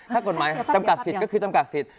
ถ้ากฎหมายจำกัดสิทธิ์ก็คือจำกัดสิทธิ